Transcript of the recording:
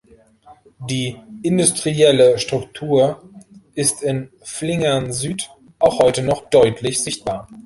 Die industrielle Struktur ist in Flingern-Süd auch heute noch deutlich sichtbar.